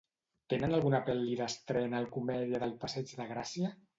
Tenen alguna pel·li d'estrena al Comèdia de Passeig de Gràcia?